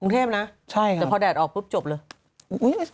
กรุงเทปนะ